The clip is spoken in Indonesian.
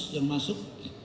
lima ratus yang masuk